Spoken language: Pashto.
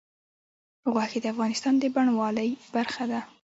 غوښې د افغانستان د بڼوالۍ برخه ده.